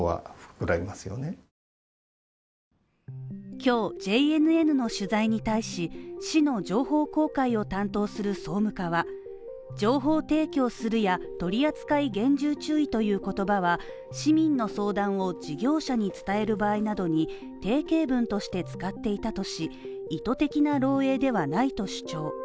今日、ＪＮＮの取材に対し、市の情報公開を担当する総務課は情報提供するや、取り扱い厳重注意という言葉は、市民の相談を事業者に伝える場合などに、定型文として使っていたとし、意図的な漏えいではないと主張。